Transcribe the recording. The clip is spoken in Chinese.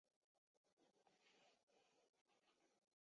舞律世界被激烈的舞法战役彻底摧毁。